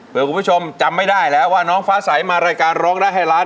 เพื่อคุณผู้ชมจำไม่ได้แล้วว่าน้องฟ้าใสมารายการร้องได้ให้ล้าน